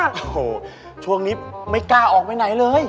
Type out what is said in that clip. โอ้โหช่วงนี้ไม่กล้าออกไปไหนเลย